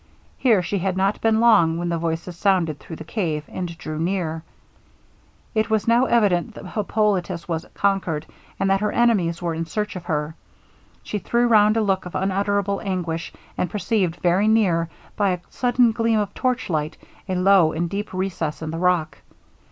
Here she had not been long when the voices sounded through the cave, and drew near. It was now evident that Hippolitus was conquered, and that her enemies were in search of her. She threw round a look of unutterable anguish, and perceived very near, by a sudden gleam of torchlight, a low and deep recess in the rock.